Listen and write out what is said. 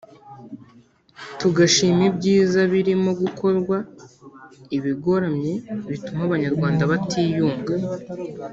tugashima ibyiza birimo gukorwa ibigoramye bituma Abanyarwanda batiyunga